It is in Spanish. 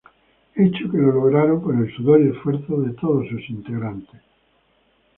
Hecho que lo lograron con el sudor y esfuerzo de todos sus integrantes.